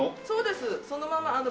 そうですそのまま。